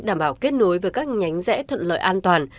đảm bảo kết nối với các nhánh rẽ thuận lợi an toàn